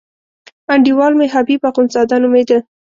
انډیوال مې حبیب اخندزاده نومېده.